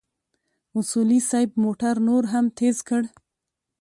اصولي صیب موټر نور هم تېز کړ.